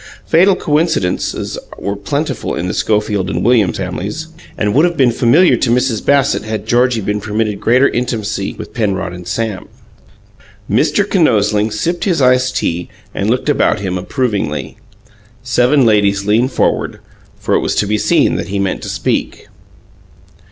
Fatal coincidences were plentiful in the Schofield and Williams families, and would have been familiar to Mrs. Bassett had Georgie been permitted greater intimacy with Penrod and Sam. Mr. Kinosling sipped his iced tea and looked about, him approvingly. Seven ladies leaned forward, for it was to be seen that he meant to speak.